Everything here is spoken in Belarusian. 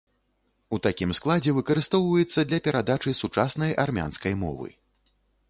У такім складзе выкарыстоўваецца для перадачы сучаснай армянскай мовы.